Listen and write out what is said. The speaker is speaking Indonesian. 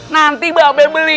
nanti babe beli